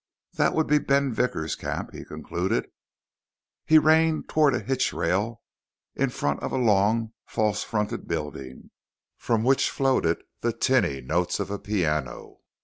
That would be Ben Vickers' camp, he concluded. He reined toward a hitchrail in front of a long, false fronted building from which floated the tinny notes of a piano.